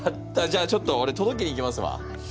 じゃあちょっとおれとどけに行きますわ。